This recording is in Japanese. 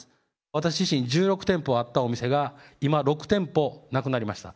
私自身１６店舗あったお店が今、６店舗なくなりました。